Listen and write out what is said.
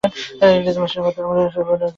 ইংরেজ আমাদের মত সুবাসিত চাউলের অন্ন ভালবাসে না।